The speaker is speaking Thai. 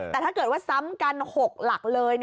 แต่ถ้าเกิดว่าซ้ำกัน๖หลักเลย